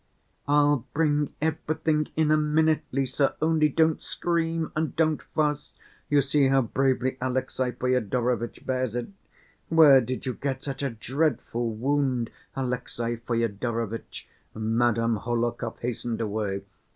"I'll bring everything in a minute, Lise, only don't scream and don't fuss. You see how bravely Alexey Fyodorovitch bears it. Where did you get such a dreadful wound, Alexey Fyodorovitch?" Madame Hohlakov hastened away.